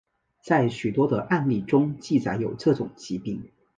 在许多的案例中记载有这种疾病。